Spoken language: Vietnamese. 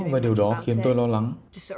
và điều đó khiến tôi lo lắng